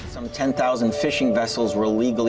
beberapa puluh ribu pesawat menangkap ikan indonesia secara legal